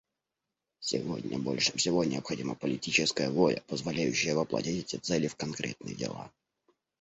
Сегодня больше всего необходима политическая воля, позволяющая воплотить эти цели в конкретные дела.